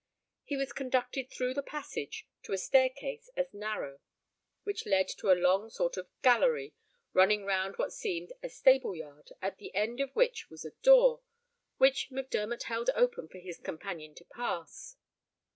He was conducted through the passage to a staircase as narrow, which led to a long sort of gallery, running round what seemed a stable yard, at the end of which was a door, which Mac Dermot held open for his companion to pass.